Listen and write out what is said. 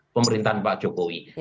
pemerintahan pak jokowi